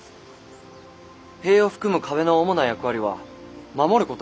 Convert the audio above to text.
塀を含む壁の主な役割は守ることですから。